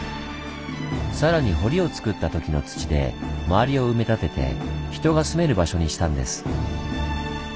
更に堀をつくった時の土で周りを埋め立てて人が住める場所にしたんです。